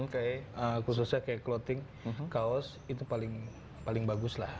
kayak khususnya kayak clothing kaos itu paling bagus lah